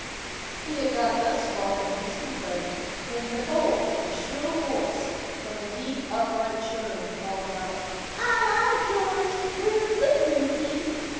He had got thus far in his complaint when, behold! a shrill voice, from a deep upright churn, called out— "Ay, ay, George, we 're flitting, you see."